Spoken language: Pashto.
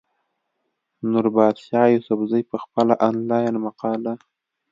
نوربادشاه يوسفزۍ پۀ خپله انلاين مقاله